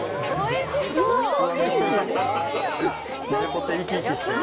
ぽて生き生きしてる。